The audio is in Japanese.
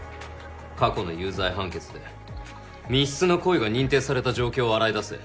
過去の有罪判決で未必の故意が認定された状況を洗い出せ。